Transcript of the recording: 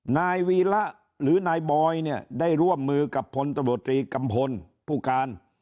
นายวีระหรือนายบอยได้ร่วมมือกับพนธบตรีกำพลผู้การ